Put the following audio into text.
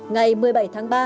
ngày một mươi bảy tháng ba